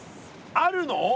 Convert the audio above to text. あるの？